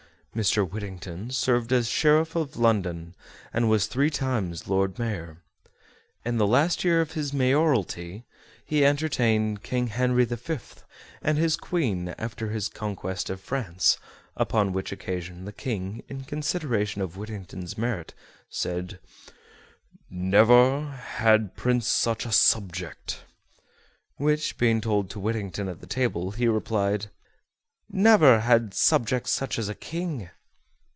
Mr. Whittington served as Sheriff of London and was three times Lord Mayor. In the last year of his mayoralty he entertained King Henry V and his Queen, after his conquest of France, upon which occasion the King, in consideration of Whittington's merit, said: "Never had prince such a subject"; which being told to Whittington at the table, he replied: "Never had subject such a king."